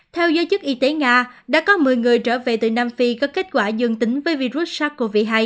theo giới chức y tế nga đã có một mươi người trở về từ nam phi có kết quả dương tính với virus sars cov hai